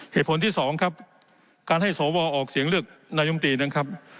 เหตุผลที่สองครับการให้สวออกเสียงเลือกนายมตรีนั้นครับ